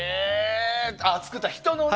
作った人のね。